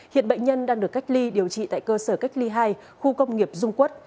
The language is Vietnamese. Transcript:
hiện bệnh nhân đang được cách ly điều trị tại cơ sở cách ly hai khu công nghiệp dung quất